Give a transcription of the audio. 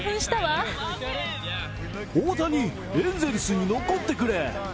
大谷、エンゼルスに残ってくれ。